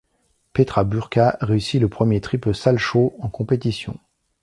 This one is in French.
Petra Burka réussit le premier triple Salchow en compétition.